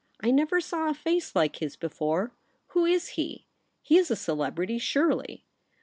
I never saw a face like his before. Who Is he ? He Is a celebrity, surely.'